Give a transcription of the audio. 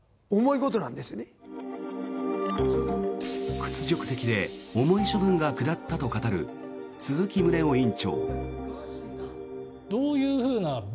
屈辱的で重い処分が下ったと語る鈴木宗男委員長。